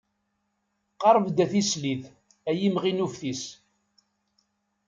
Qerb-d a tislit, ay imɣi n uftis.